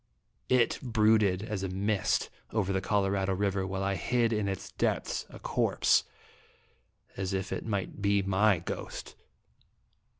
It brooded as a mist over the Colorado River while I hid in its depths a corpse as if it might be my ghost.